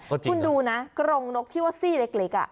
คุณดูนะกรงนกที่ว่าซี่เล็ก